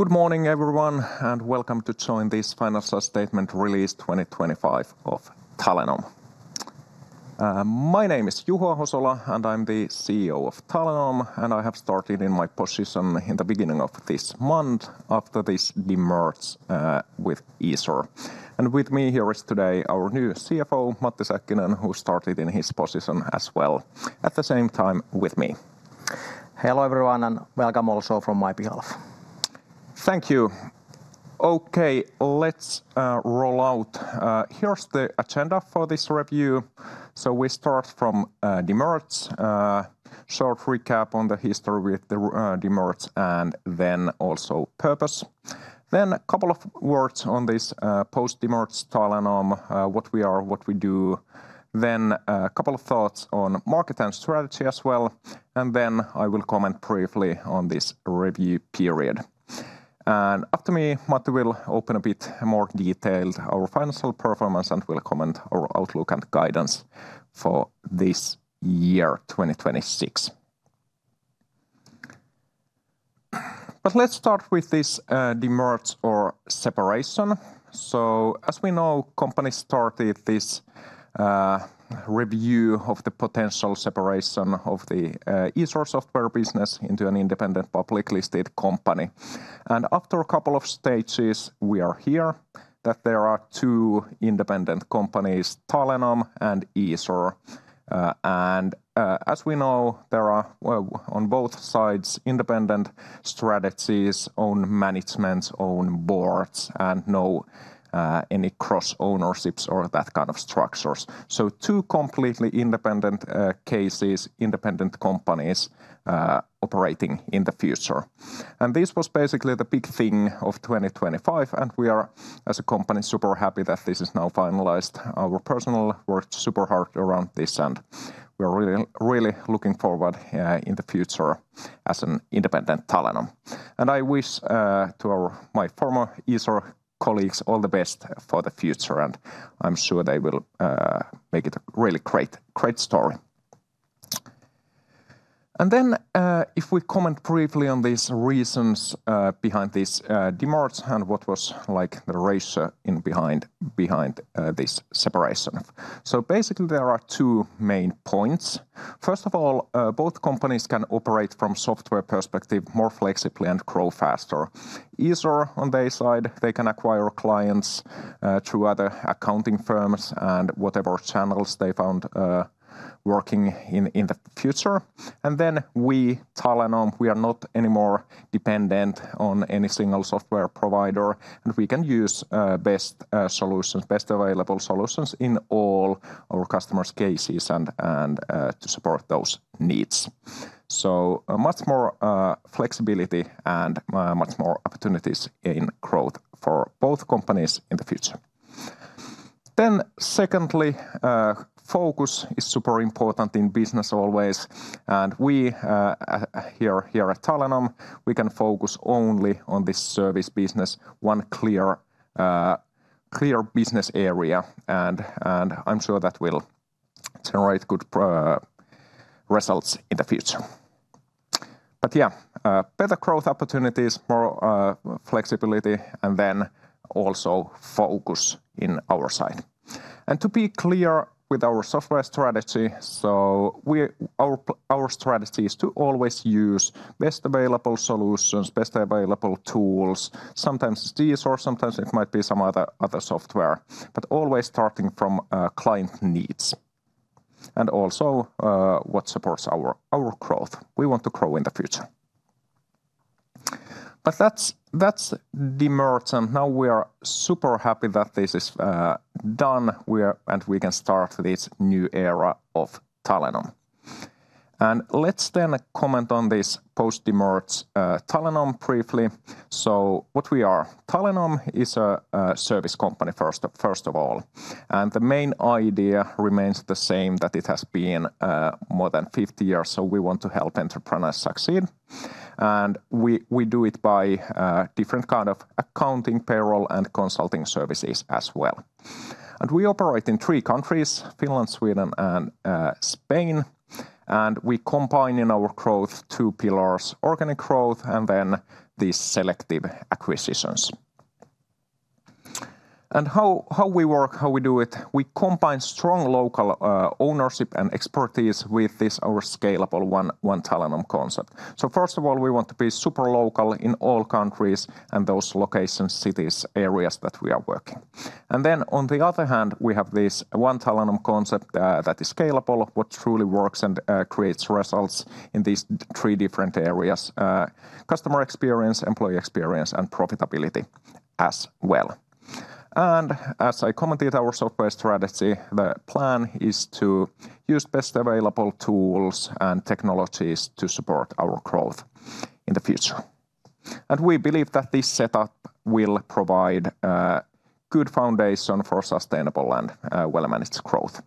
Good morning, everyone, and welcome to join this financial statement release 2025 of Talenom. My name is Juho Ahosola, and I'm the CEO of Talenom, and I have started in my position in the beginning of this month after this demerger with Easor. With me here is today our new CFO, Matti Säkkinen, who started in his position as well at the same time with me. Hello, everyone, and welcome also from my behalf. Thank you. Okay, let's roll out. Here's the agenda for this review. We start from short recap on the history with the demerger and then also purpose. A couple of words on this post-demerger Talenom, what we are, what we do, a couple of thoughts on market and strategy as well, and then I will comment briefly on this review period. After me, Matti will open a bit more detailed our financial performance and will comment on our outlook and guidance for this year, 2026. Let's start with this demerger or separation. As we know, the company started this review of the potential separation of the Easor software business into an independent publicly listed company. After a couple of stages, we are here, that there are two independent companies, Talenom and Easor. As we know, there are, well, on both sides, independent strategies, own managements, own boards, and no any cross-ownerships or that kind of structures. Two completely independent cases, independent companies operating in the future. This was basically the big thing of 2025, and we are, as a company, super happy that this is now finalized. Our personnel worked super hard around this, and we're really, really looking forward in the future as an independent Talenom. I wish to our my former Easor colleagues all the best for the future, and I'm sure they will make it a really great story. If we comment briefly on these reasons behind this demerger and what was the rationale behind this separation. Basically, there are two main points. First of all, both companies can operate from software perspective more flexibly and grow faster. Easor, on their side, they can acquire clients through other accounting firms and whatever channels they find working in the future. We, Talenom, are not anymore dependent on any single software provider, and we can use best solutions, best available solutions in all our customers' cases and to support those needs. Much more flexibility and much more growth opportunities for both companies in the future. Secondly, focus is super important in business always. We here at Talenom can focus only on this service business, one clear business area. I'm sure that will generate good results in the future. Yeah, better growth opportunities, more flexibility, and then also focus on our side. To be clear with our software strategy, our strategy is to always use best available solutions, best available tools, sometimes Easor or sometimes it might be some other software, but always starting from client needs, and also what supports our growth. We want to grow in the future. That's demerger, and now we are super happy that this is done. We are and we can start this new era of Talenom. Let's then comment on this post-demerger Talenom briefly. What we are, Talenom is a service company, first of all. The main idea remains the same that it has been more than 50 years, so we want to help entrepreneurs succeed. We do it by different kind of accounting, payroll, and consulting services as well. We operate in three countries, Finland, Sweden, and Spain. We combine in our growth two pillars, organic growth and then the selective acquisitions. How we work, how we do it, we combine strong local ownership and expertise with our scalable ONE Talenom concept. First of all, we want to be super local in all countries and those locations, cities, areas that we are working. On the other hand, we have this ONE Talenom concept that is scalable, what truly works and creates results in these three different areas, customer experience, employee experience, and profitability as well. As I commented our software strategy, the plan is to use best available tools and technologies to support our growth in the future. We believe that this setup will provide good foundation for sustainable and well-managed growth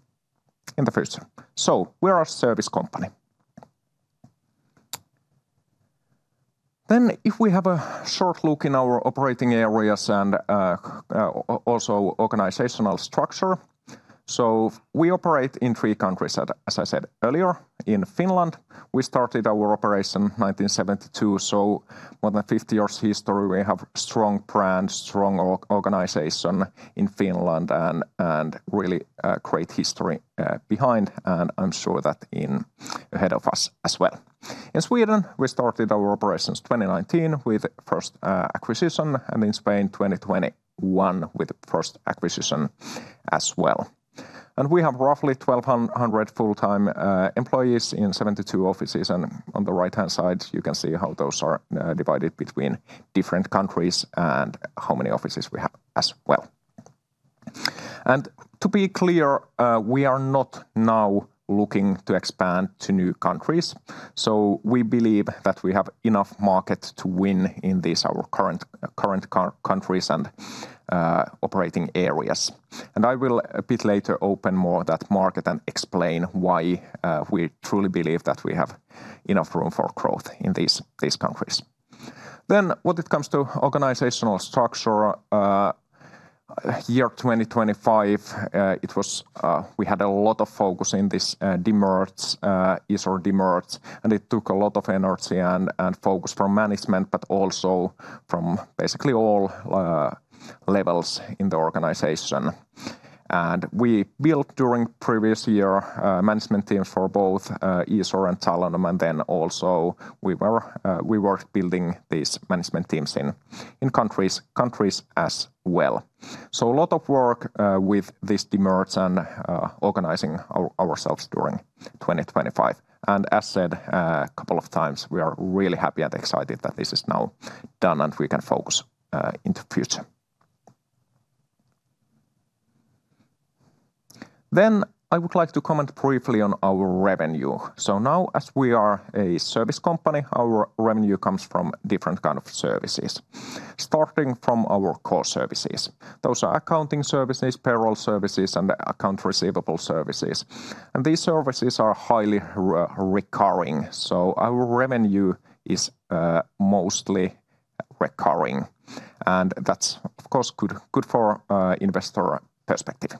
in the future. We are a service company. If we have a short look in our operating areas and organizational structure. We operate in three countries, as I said earlier. In Finland, we started our operations in 1972, so more than 50 years history. We have strong brand, strong organization in Finland and really great history behind, and I'm sure that ahead of us as well. In Sweden, we started our operations in 2019 with first acquisition, and in Spain in 2021 with first acquisition as well. We have roughly 1,200 full-time employees in 72 offices, and on the right-hand side you can see how those are divided between different countries and how many offices we have as well. To be clear, we are not now looking to expand to new countries, so we believe that we have enough market to win in these, our current countries and operating areas. I will a bit later open more that market and explain why we truly believe that we have enough room for growth in these countries. When it comes to organizational structure, year 2025 it was we had a lot of focus in this demerger, Easor demerger, and it took a lot of energy and focus from management, but also from basically all levels in the organization. We built during previous year, management team for both, Easor and Talenom, and then also we worked building these management teams in countries as well. A lot of work with this demerger and organizing ourselves during 2025. As said a couple of times, we are really happy and excited that this is now done and we can focus in the future. I would like to comment briefly on our revenue. Now, as we are a service company, our revenue comes from different kind of services, starting from our core services. Those are accounting services, payroll services, and accounts receivable services. These services are highly recurring, so our revenue is mostly recurring. That's, of course, good for investor perspective.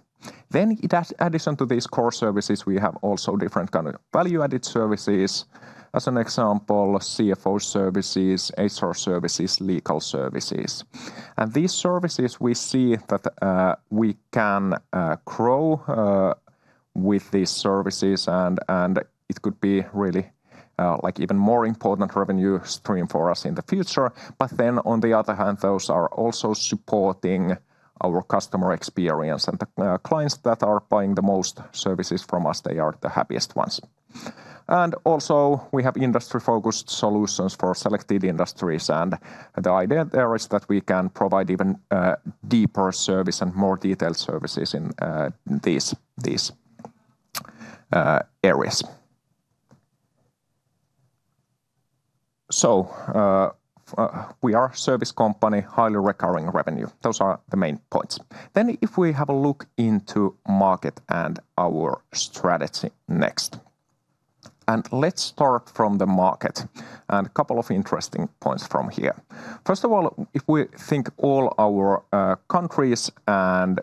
In addition to these core services, we have also different kind of value-added services. As an example, CFO services, HR services, legal services. These services, we see that we can grow with these services and it could be really like even more important revenue stream for us in the future. On the other hand, those are also supporting our customer experience and the clients that are buying the most services from us, they are the happiest ones. We have industry-focused solutions for selected industries, and the idea there is that we can provide even deeper service and more detailed services in these areas. We are a service company, highly recurring revenue. Those are the main points. If we have a look into market and our strategy next. Let's start from the market, and a couple of interesting points from here. First of all, if we think all our countries and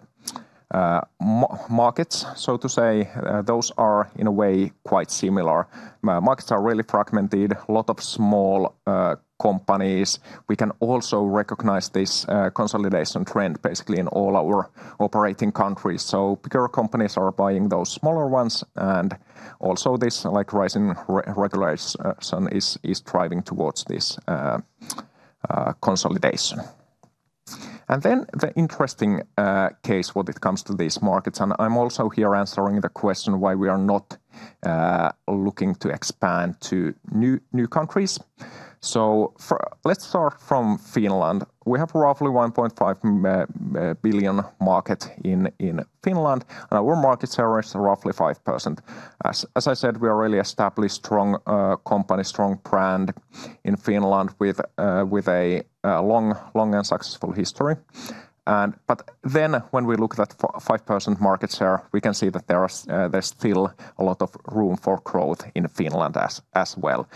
markets, so to say, those are in a way quite similar. Markets are really fragmented, lot of small companies. We can also recognize this consolidation trend basically in all our operating countries, so bigger companies are buying those smaller ones and also this rising re-regulation is driving towards this consolidation. Then the interesting case when it comes to these markets, and I'm also here answering the question why we are not looking to expand to new countries. Let's start from Finland. We have roughly 1.5 billion market in Finland. Our market share is roughly 5%. As I said, we are a really established, strong company, strong brand in Finland with a long and successful history. When we look at 5% market share, we can see that there's still a lot of room for growth in Finland as well.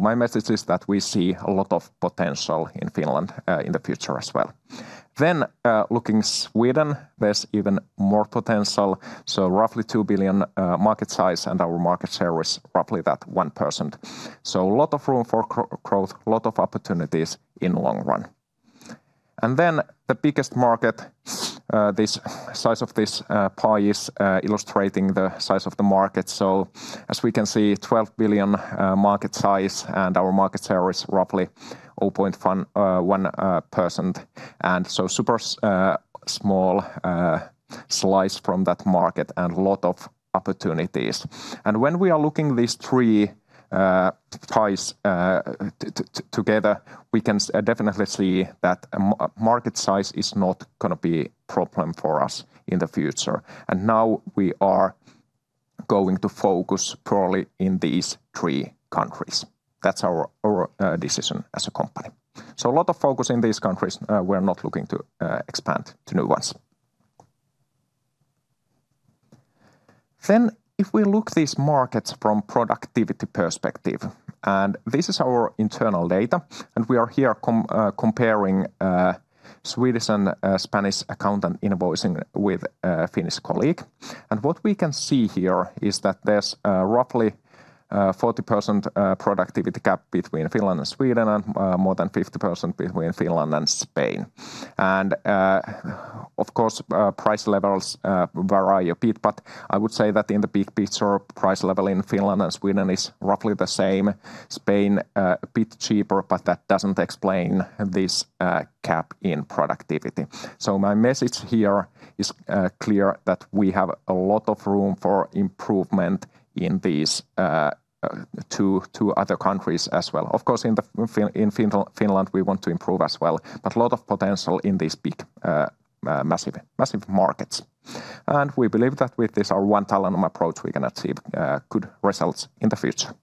My message is that we see a lot of potential in Finland in the future as well. Looking at Sweden, there's even more potential, so roughly 2 billion market size, and our market share is roughly 1%. A lot of room for growth, lot of opportunities in long-run. The biggest market, the size of this pie is illustrating the size of the market. As we can see, 12 billion market size, and our market share is roughly 0.11%, and so super small slice from that market and a lot of opportunities. When we are looking these three pies together, we can definitely see that market size is not gonna be a problem for us in the future. Now we are going to focus purely in these three countries. That's our decision as a company. A lot of focus in these countries. We're not looking to expand to new ones. If we look these markets from productivity perspective, and this is our internal data, and we are here comparing Swedish and Spanish accountant invoicing with a Finnish colleague. What we can see here is that there's roughly 40% productivity gap between Finland and Sweden and more than 50% between Finland and Spain. Of course, price levels vary a bit, but I would say that in the big picture, price level in Finland and Sweden is roughly the same. Spain a bit cheaper, but that doesn't explain this gap in productivity. My message here is clear that we have a lot of room for improvement in these two other countries as well. Of course, in Finland, we want to improve as well, but a lot of potential in these big massive markets. We believe that with this, our ONE Talenom approach, we can achieve good results in the future.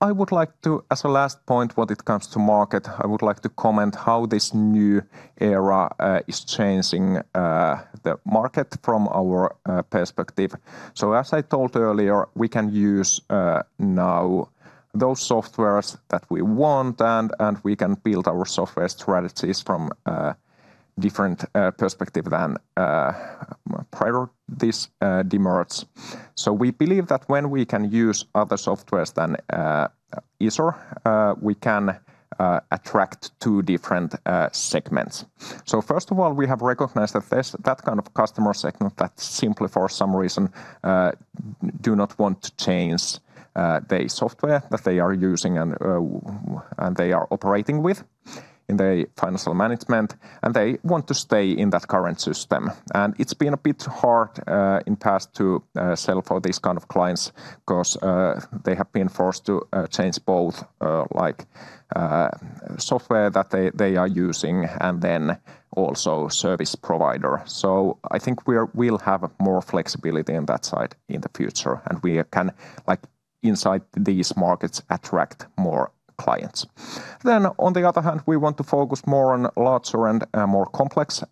I would like to, as a last point when it comes to market, I would like to comment how this new era is changing the market from our perspective. As I told earlier, we can use now those softwares that we want and we can build our software strategies from different perspective than prior to this demerger. We believe that when we can use other softwares than Easor, we can attract two different segments. First of all, we have recognized that there's that kind of customer segment that simply for some reason do not want to change the software that they are using and they are operating with in the financial management, and they want to stay in that current system. It's been a bit hard in the past to sell for these kind of clients 'cause they have been forced to change both, like, software that they are using and then also service provider. I think we'll have more flexibility in that side in the future, and we can, like, inside these markets attract more clients. On the other hand, we want to focus more on larger and more complex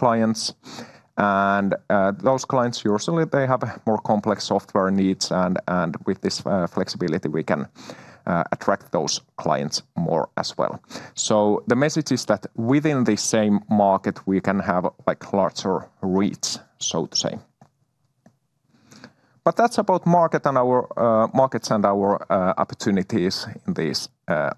clients. Those clients usually they have more complex software needs and with this flexibility we can attract those clients more as well. The message is that within the same market, we can have, like, larger reach, so to say. That's about market and our markets and our opportunities in these markets. I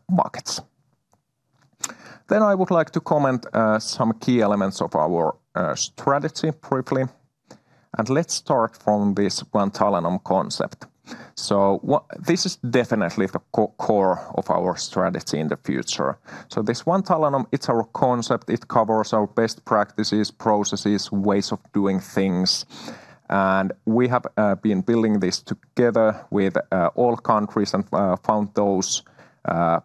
would like to comment some key elements of our strategy briefly, and let's start from this ONE Talenom concept. This is definitely the core of our strategy in the future. This ONE Talenom, it's our concept. It covers our best practices, processes, ways of doing things, and we have been building this together with all countries and found those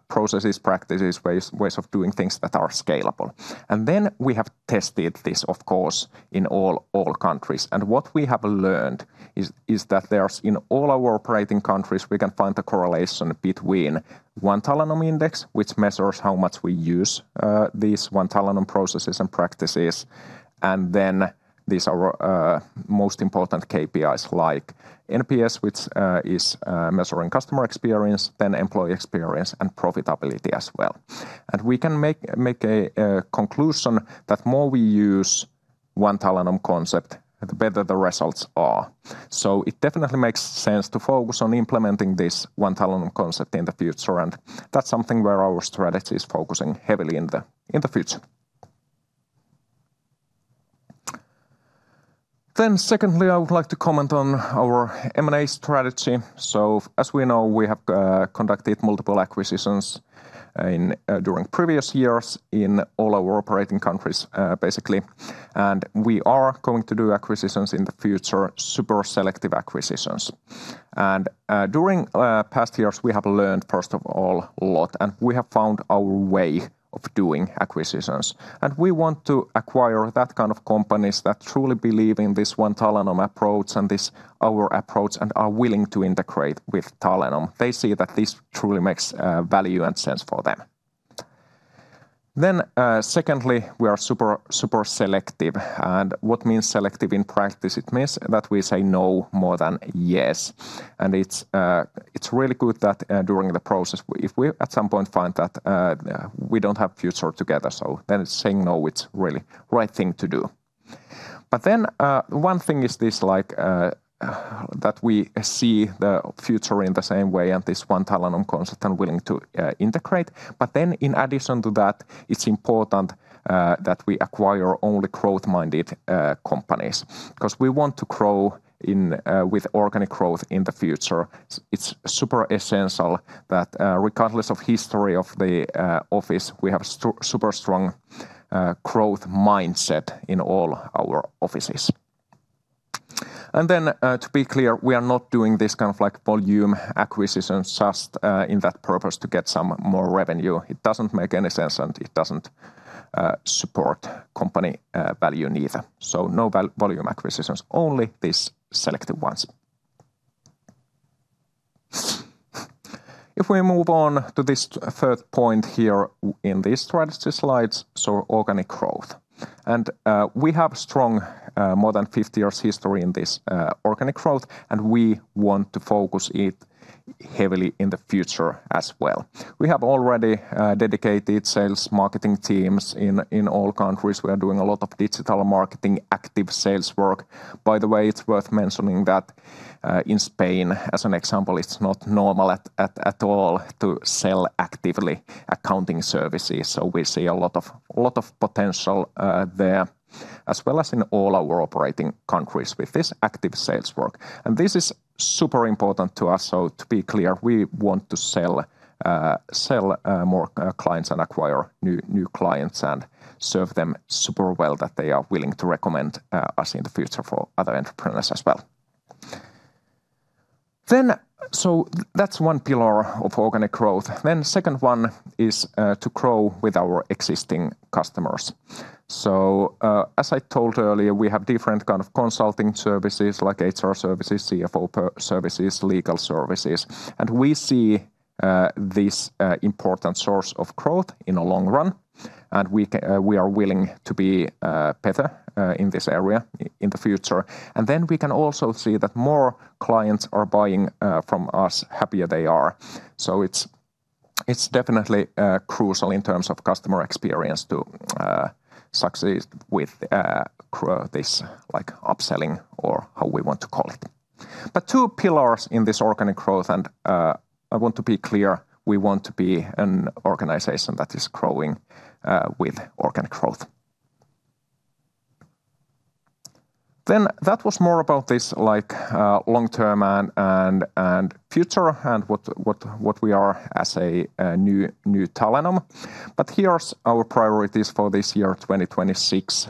processes, practices, ways of doing things that are scalable. We have tested this, of course, in all countries. What we have learned is that there's in all our operating countries we can find the correlation between ONE Talenom index, which measures how much we use these ONE Talenom processes and practices, and then these are most important KPIs like NPS, which is measuring customer experience, then employee experience and profitability as well. We can make a conclusion that more we use ONE Talenom concept, the better the results are. It definitely makes sense to focus on implementing this ONE Talenom concept in the future, and that's something where our strategy is focusing heavily in the future. Secondly, I would like to comment on our M&A strategy. As we know, we have conducted multiple acquisitions during previous years in all our operating countries, basically, and we are going to do acquisitions in the future, super selective acquisitions. During past years, we have learned, first of all, a lot, and we have found our way of doing acquisitions. We want to acquire that kind of companies that truly believe in this ONE Talenom approach and this, our approach and are willing to integrate with Talenom. They see that this truly makes value and sense for them. Secondly, we are super selective. What means selective in practice? It means that we say no more than yes. It's really good that during the process, if we at some point find that we don't have future together, saying no it's really right thing to do. One thing is this, like, that we see the future in the same way, and this ONE Talenom concept and willing to integrate. In addition to that, it's important that we acquire only growth-minded companies 'cause we want to grow with organic growth in the future. It's super essential that regardless of history of the office, we have super strong growth mindset in all our offices. To be clear, we are not doing this kind of like volume acquisitions just in that purpose to get some more revenue. It doesn't make any sense, and it doesn't support company value neither. No volume acquisitions, only these selective ones. If we move on to this third point here in these strategy slides, organic growth. We have strong, more than 50 years history in this, organic growth, and we want to focus it heavily in the future as well. We have already dedicated sales and marketing teams in all countries. We are doing a lot of digital marketing, active sales work. By the way, it's worth mentioning that, in Spain, as an example, it's not normal at all to sell actively accounting services. We see a lot of potential there, as well as in all our operating countries with this active sales work. This is super important to us. To be clear, we want to sell more clients and acquire new clients and serve them super well that they are willing to recommend us in the future for other entrepreneurs as well. That's one pillar of organic growth. Second one is to grow with our existing customers. As I told earlier, we have different kind of consulting services like HR services, CFO services, legal services, and we see this important source of growth in the long-run, and we are willing to be better in this area in the future. We can also see that more clients are buying from us, happier they are. It's definitely crucial in terms of customer experience to succeed with grow this, like, upselling or how we want to call it. Two pillars in this organic growth, I want to be clear, we want to be an organization that is growing with organic growth. That was more about this, like, long-term and future and what we are as a new Talenom. Here's our priorities for this year, 2026.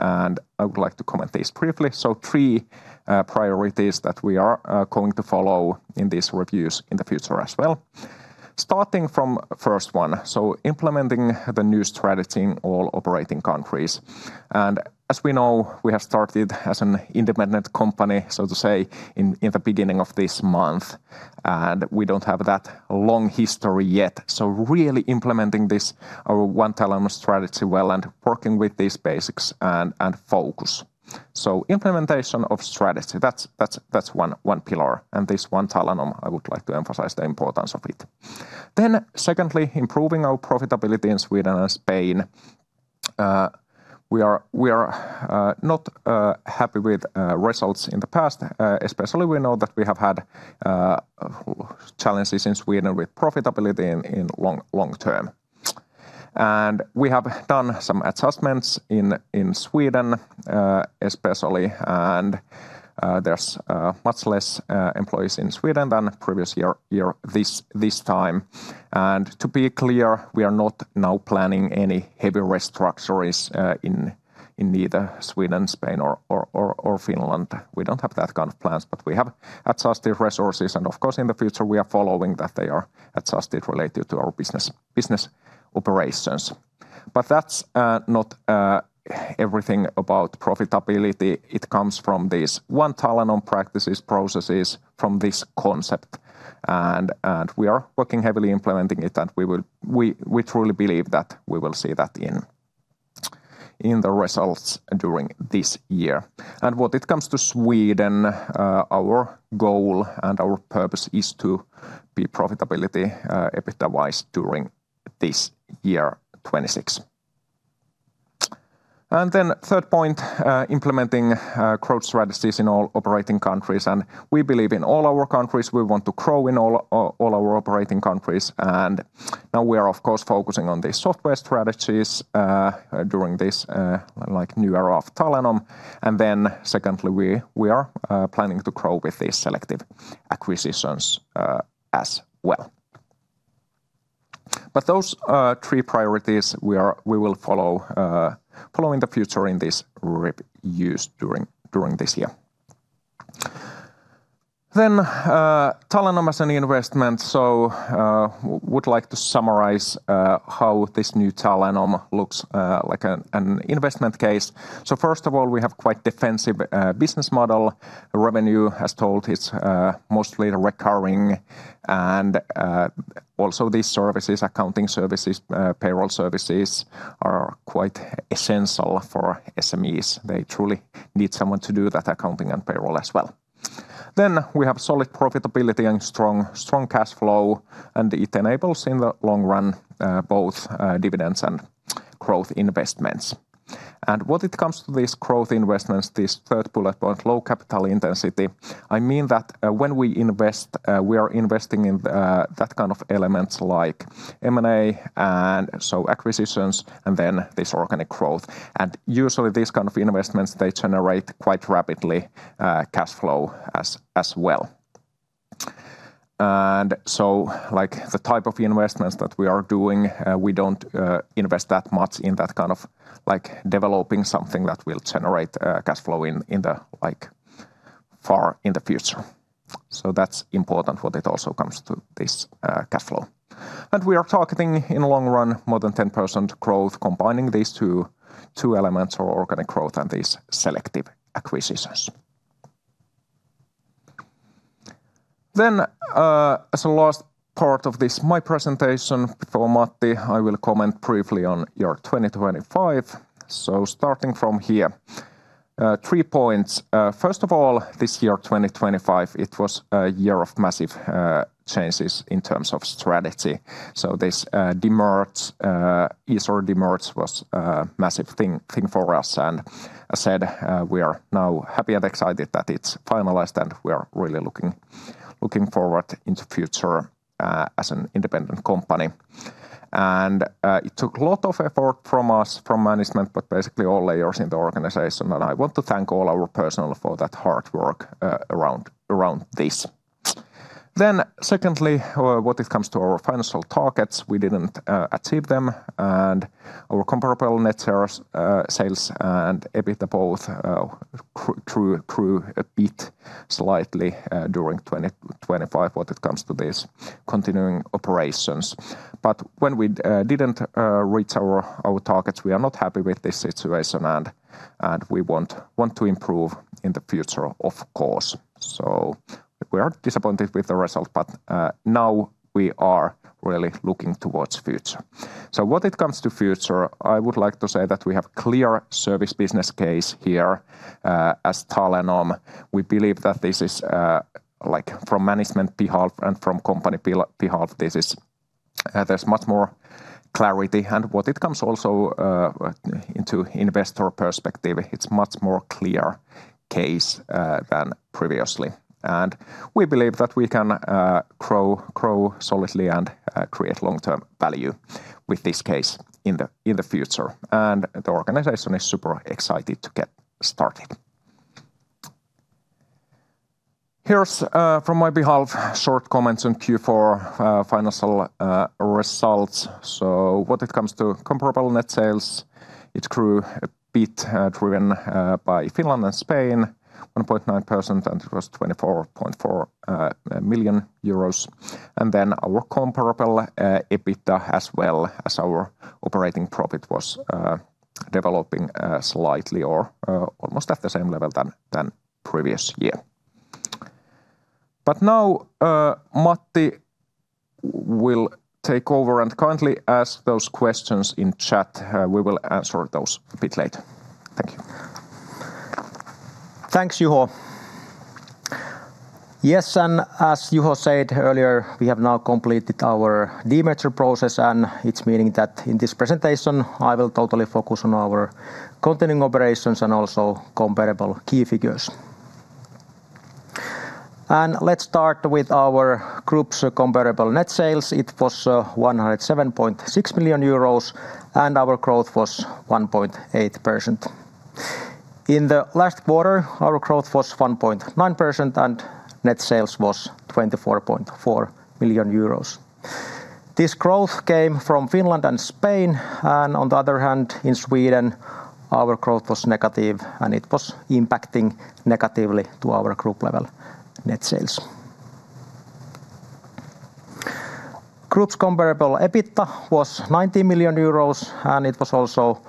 I would like to comment this briefly. Three priorities that we are going to follow in these reviews in the future as well. Starting from first one, so implementing the new strategy in all operating countries. As we know, we have started as an independent company, so to say, in the beginning of this month, and we don't have that long history yet. Really implementing this, our ONE Talenom strategy well and working with these basics and focus. Implementation of strategy, that's one pillar. This ONE Talenom, I would like to emphasize the importance of it. Secondly, improving our profitability in Sweden and Spain. We are not happy with results in the past. Especially we know that we have had challenges in Sweden with profitability in long-term. We have done some adjustments in Sweden, especially, and there's much less employees in Sweden than previous year this time. To be clear, we are not now planning any heavy restructures in neither Sweden, Spain or Finland. We don't have that kind of plans. We have adjusted resources and of course, in the future we are following that they are adjusted related to our business operations. That's not everything about profitability. It comes from these ONE Talenom practices, processes from this concept. We are working heavily implementing it, and we truly believe that we will see that in the results during this year. When it comes to Sweden, our goal and our purpose is to be profitable EBITDA-wise during 2026. Third point, implementing growth strategies in all operating countries. We believe in all our countries, we want to grow in all our operating countries. Now we are of course focusing on the software strategies during this like new era of Talenom. Secondly, we are planning to grow with these selective acquisitions as well. Those are three priorities we will follow in the future in these reviews during this year. Talenom as an investment. Would like to summarize how this new Talenom looks like an investment case. First of all, we have quite defensive business model. Revenue, as told, is mostly recurring. Also these services, accounting services, payroll services are quite essential for SMEs. They truly need someone to do that accounting and payroll as well. We have solid profitability and strong cash flow, and it enables in the long-run both dividends and growth investments. When it comes to these growth investments, this third bullet point, low capital intensity, I mean that when we invest we are investing in that kind of elements like M&A and so acquisitions and then this organic growth. Usually these kind of investments they generate quite rapidly cash flow as well. So like the type of investments that we are doing we don't invest that much in that kind of like developing something that will generate cash flow in the like far in the future. That's important when it also comes to this, cash flow. We are targeting in long-run more than 10% growth combining these two elements, our organic growth and these selective acquisitions. As a last part of this, my presentation before Matti, I will comment briefly on year 2025. Starting from here. Three points. First of all, this year, 2025, it was a year of massive changes in terms of strategy. This Easor demerger was a massive thing for us. I said, we are now happy and excited that it's finalized, and we are really looking forward into future, as an independent company. It took a lot of effort from us, from management, but basically all layers in the organization. I want to thank all our personnel for that hard work around this. Secondly, when it comes to our financial targets, we didn't achieve them, and our comparable net sales and EBITDA both grew a bit slightly during 2025 when it comes to this continuing operations. When we didn't reach our targets, we are not happy with this situation and we want to improve in the future, of course. We are disappointed with the result, but now we are really looking towards future. When it comes to future, I would like to say that we have clear service business case here. As Talenom, we believe that this is like from management behalf and from company behalf, this is. There's much more clarity. When it comes also into investor perspective, it's much more clear case than previously. We believe that we can grow solidly and create long-term value with this case in the future. The organization is super excited to get started. Here's from my behalf short comments on Q4 financial results. When it comes to comparable net sales, it grew a bit driven by Finland and Spain 1.9%, and it was EUR 24.4 million. Then our comparable EBITDA as well as our operating profit was developing slightly or almost at the same level than previous year. Now Matti will take over. Currently, ask those questions in chat. We will answer those a bit later. Thank you. Thanks, Juho. Yes, and as Juho said earlier, we have now completed our demerger process, and it means that in this presentation I will totally focus on our continuing operations and also comparable key figures. Let's start with our group's comparable net sales. It was 107.6 million euros, and our growth was 1.8%. In the last quarter, our growth was 1.9%, and net sales was 24.4 million euros. This growth came from Finland and Spain, and on the other hand, in Sweden, our growth was negative, and it was impacting negatively to our group level net sales. Group's comparable EBITDA was 90 million euros, and it was also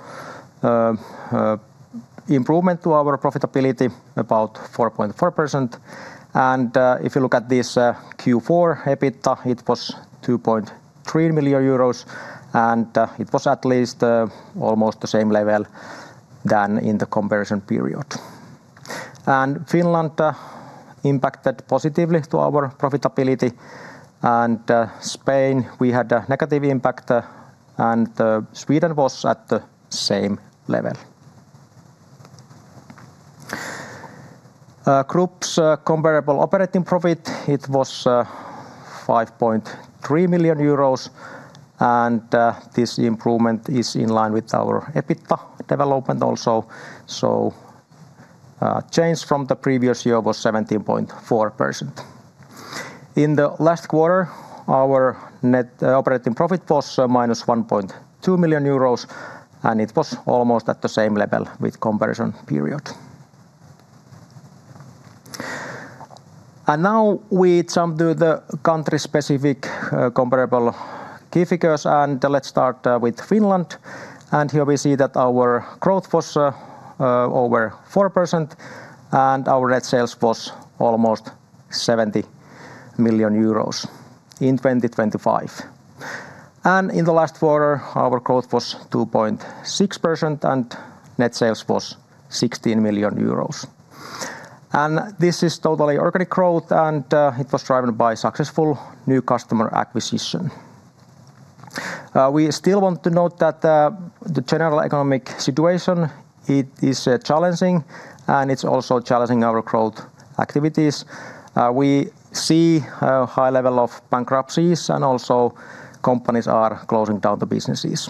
improvement to our profitability, about 4.4%. If you look at this Q4 EBITDA, it was 2.3 million euros, and it was at least almost the same level than in the comparison period. Finland impacted positively to our profitability. Spain, we had a negative impact, and Sweden was at the same level. Group's comparable operating profit, it was 5.3 million euros, and this improvement is in line with our EBITDA development also. Change from the previous year was 17.4%. In the last quarter, our net operating profit was -1.2 million euros, and it was almost at the same level with comparison period. Now we jump to the country-specific comparable key figures, and let's start with Finland. Here we see that our growth was over 4%, and our net sales was almost 70 million euros in 2025. In the last quarter, our growth was 2.6%, and net sales was 60 million euros. This is totally organic growth, and it was driven by successful new customer acquisition. We still want to note that the general economic situation, it is challenging, and it's also challenging our growth activities. We see a high level of bankruptcies and also companies are closing down the businesses.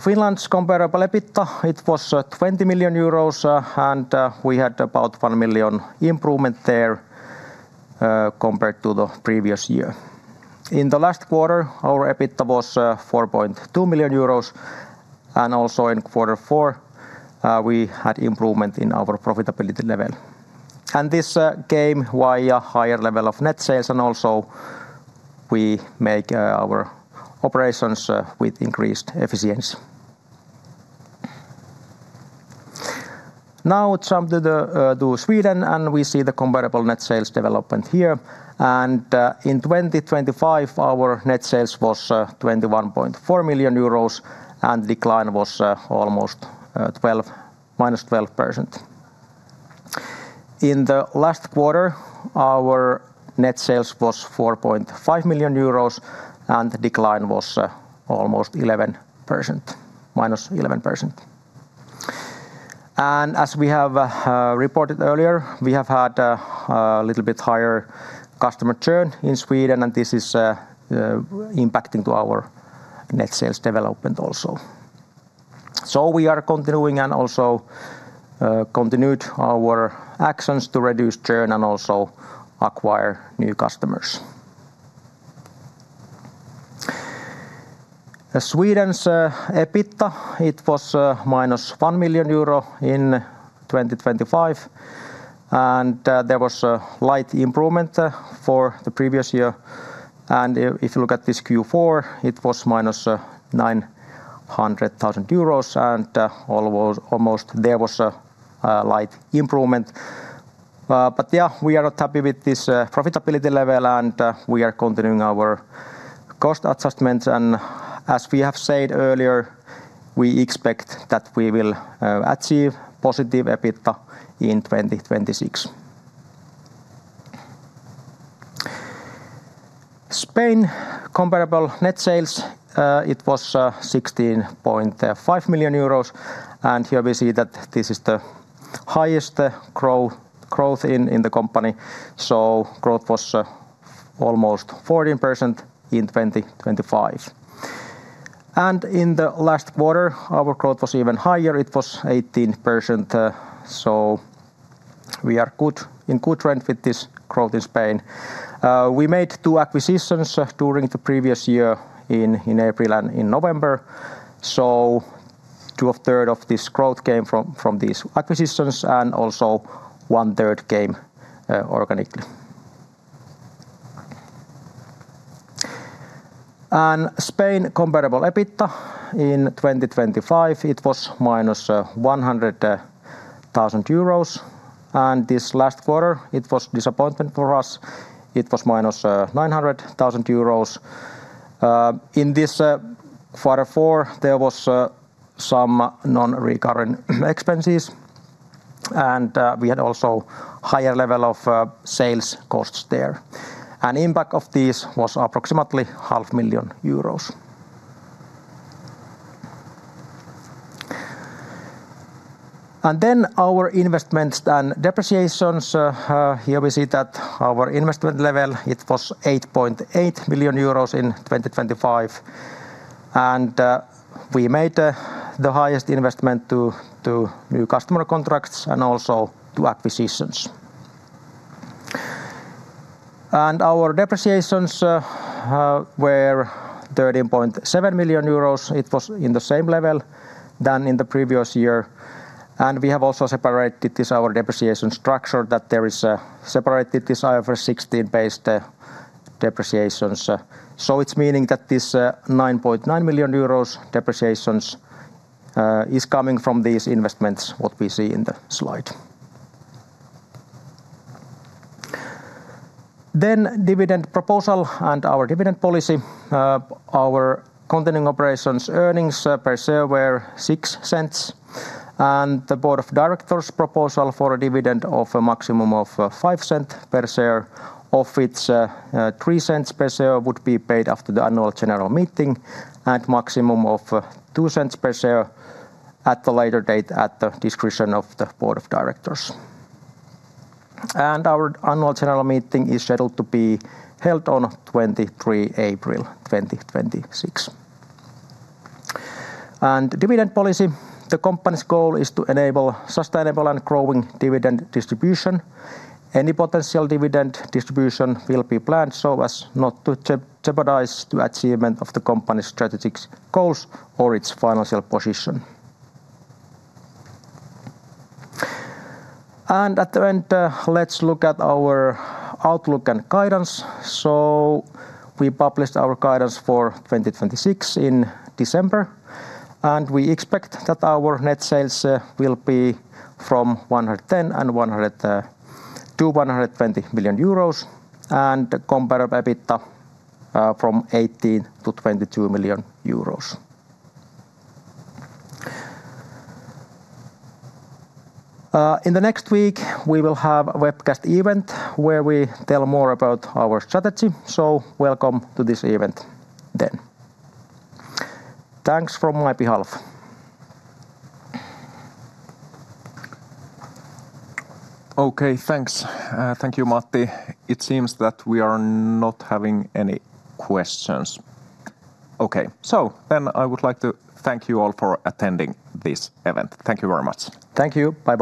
Finland's comparable EBITDA, it was 20 million euros, and we had about 1 million improvement there, compared to the previous year. In the last quarter, our EBITDA was 4.2 million euros, and also in quarter four, we had improvement in our profitability level. This came via higher level of net sales and also we make our operations with increased efficiency. Now jump to Sweden, and we see the comparable net sales development here. In 2025, our net sales was 21.4 million euros, and decline was almost -12%. In the last quarter, our net sales was 4.5 million euros, and the decline was almost -11%. As we have reported earlier, we have had a little bit higher customer churn in Sweden, and this is impacting to our net sales development also. We are continuing and also continued our actions to reduce churn and also acquire new customers. As Sweden's EBITDA, it was -1 million euro in 2025, and there was a light improvement for the previous year. If you look at this Q4, it was -900,000 euros, and almost there was a light improvement. Yeah, we are not happy with this profitability level, and we are continuing our cost adjustments. As we have said earlier, we expect that we will achieve positive EBITDA in 2026. Spain comparable net sales, it was 16.5 million euros, and here we see that this is the highest growth in the company. Growth was almost 14% in 2025. In the last quarter, our growth was even higher. It was 18%, so we are good, in good trend with this growth in Spain. We made two acquisitions during the previous year in April and in November, so 2/3s of this growth came from these acquisitions and also 1/3 came organically. Spain comparable EBITDA in 2025, it was -100,000 euros, and this last quarter it was disappointment for us. It was -900,000 euros. In this quarter four, there was some non-recurring expenses, and we had also higher level of sales costs there. Impact of this was approximately 0.5 euros. Our investments and depreciations, here we see that our investment level, it was 8.8 billion euros in 2025. We made the highest investment to new customer contracts and also to acquisitions. Our depreciations were 13.7 million euros. It was in the same level than in the previous year. We have also separated this, our depreciation structure that there is separated this IFRS 16-based depreciation. It means that this 9.9 million euros depreciations is coming from these investments what we see in the slide. Dividend proposal and our dividend policy. Our continuing operations earnings per share were 0.06, and the Board of Directors' proposal for a dividend of a maximum of 0.05 per share, of which 0.03 per share would be paid after the Annual General Meeting and maximum of 0.02 per share at the later date at the discretion of the board of directors. Our Annual General Meeting is scheduled to be held on April 23 2026. Dividend policy, the company's goal is to enable sustainable and growing dividend distribution. Any potential dividend distribution will be planned so as not to jeopardize the achievement of the company's strategic goals or its financial position. At the end, let's look at our outlook and guidance. We published our guidance for 2026 in December, and we expect that our net sales will be from 110 million-120 million euros, and comparable EBITDA from 8 million-12 million euros. In the next week we will have a webcast event where we tell more about our strategy. Welcome to this event then. Thanks on my behalf. Okay, thanks. Thank you, Matti. It seems that we are not having any questions. Okay. I would like to thank you all for attending this event. Thank you very much. Thank you. Bye-bye.